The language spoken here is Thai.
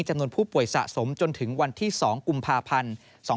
จำนวนผู้ป่วยสะสมจนถึงวันที่๒กุมภาพันธ์๒๕๖